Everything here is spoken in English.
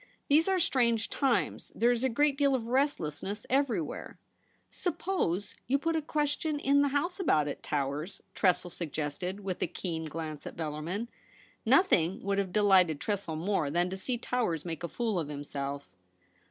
These are strange times. There is a great deal of restlessness everywhere.' ' Suppose you put a question in the House I40 THE REBEL ROSE. about it, Towers/ Tressel suggested, with a keen glance at Bellarmin. Nothing would have delighted Tressel more than to see Towers make a fool of himself.